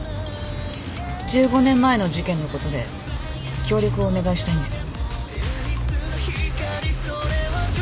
１５年前の事件のことで協力をお願いしたいんです。